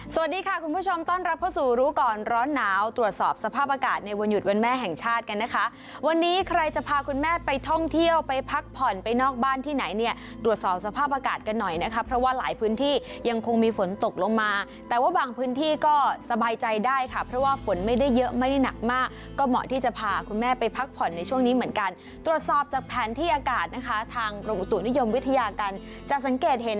สวัสดีค่ะคุณผู้ชมต้อนรับเข้าสู่รู้ก่อนร้อนหนาวตรวจสอบสภาพอากาศในวันหยุดวันแม่แห่งชาติกันนะคะวันนี้ใครจะพาคุณแม่ไปท่องเที่ยวไปพักผ่อนไปนอกบ้านที่ไหนเนี่ยตรวจสอบสภาพอากาศกันหน่อยนะคะเพราะว่าหลายพื้นที่ยังคงมีฝนตกลงมาแต่ว่าบางพื้นที่ก็สบายใจได้ค่ะเพราะว่าฝนไม่ได้เย